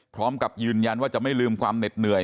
พร้อมกับยืนยันว่าจะไม่ลืมความเหน็ดเหนื่อย